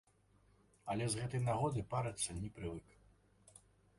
Але з гэтай нагоды парыцца не прывык.